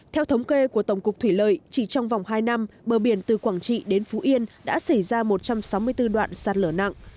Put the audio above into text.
theo thống kê của tổng cục thủy lợi chỉ trong vòng hai năm bờ biển từ quảng trị đến phú yên đã xảy ra một trăm sáu mươi bốn đoạn sạt lở nặng